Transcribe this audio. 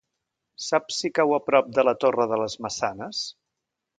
Saps si cau a prop de la Torre de les Maçanes?